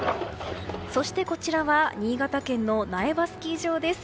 そしてこちらは新潟県の苗場スキー場です。